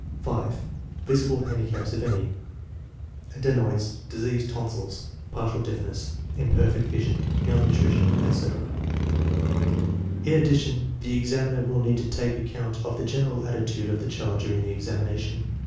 5. Physical handicaps, if any (adenoids, diseased tonsils, partial deafness, imperfect vision, malnutrition, etc.). In addition, the examiner will need to take account of the general attitude of the child during the examination.